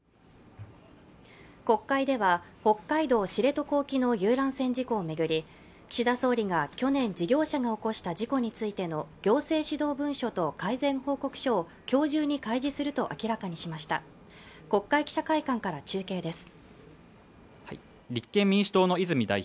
国会では北海道知床沖の遊覧船事故を巡り岸田総理が去年事業者が起こした事故についての行政指導文書と改善報告書を今日中に開示すると明らかにしました国会記者会館から中継です